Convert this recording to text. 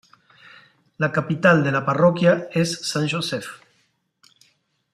La capital de la parroquia es Saint Joseph.